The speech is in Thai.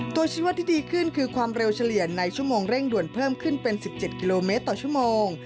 ชีวัตรที่ดีขึ้นคือความเร็วเฉลี่ยในชั่วโมงเร่งด่วนเพิ่มขึ้นเป็น๑๗กิโลเมตรต่อชั่วโมง